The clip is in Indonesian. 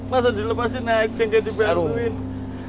masa dilepasin naik nggak dibantuin